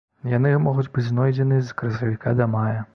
Яны могуць быць знойдзены з красавіка да мая.